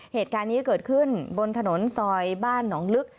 เหตุการณ์นี้เกิดขึ้นบนถนนซอยบ้านหนองลึก